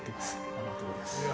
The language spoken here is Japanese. ありがとうございます。